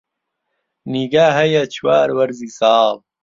نیگا هەیە چوار وەرزی ساڵ